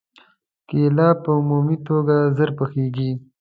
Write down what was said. کېله په عمومي توګه ژر پخېږي.